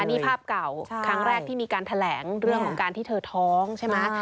นี่ภาพเก่าครั้งแรกที่มีการแถลงเรื่องของการที่เธอท้องใช่ไหม